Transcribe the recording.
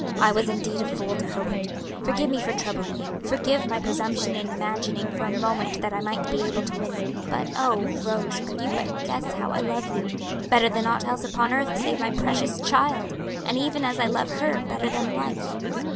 "I was indeed a fool to hope it. Forgive me for troubling you; forgive my presumption in imagining for a moment that I might be able to win you. But oh, Rose, could you but guess how I love you better than aught else upon earth save my precious child! and even as I love her better than life.